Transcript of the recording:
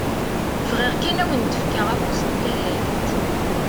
Bɣiɣ kan ad awen-d-fkeɣ afus n tallalt!